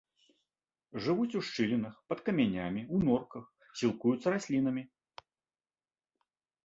Жывуць у шчылінах, пад камянямі, у норках, сілкуюцца раслінамі.